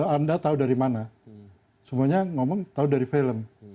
anda tahu dari mana semuanya ngomong tahu dari film